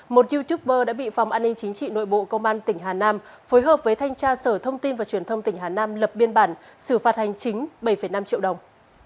một youtuber đã bị phòng an ninh chính trị nội bộ công an tỉnh hà nam phối hợp với thanh tra sở thông tin và truyền thông tỉnh hà nam lập biên bản xử phạt hành chính bảy năm triệu đồng